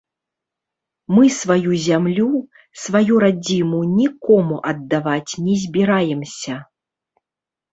Мы сваю зямлю, сваю радзіму нікому аддаваць не збіраемся.